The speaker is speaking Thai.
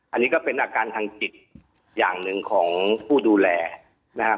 อันนี้ก็เป็นอาการทางจิตอย่างหนึ่งของผู้ดูแลนะครับ